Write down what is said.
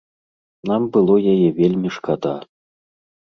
Нам было яе вельмі шкада.